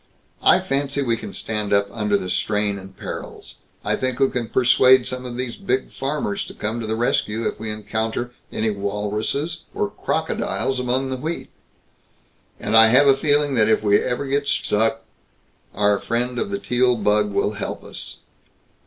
"I fancy we can stand up under the strain and perils. I think we can persuade some of these big farmers to come to the rescue if we encounter any walruses or crocodiles among the wheat. And I have a feeling that if we ever get stuck, our friend of the Teal bug will help us."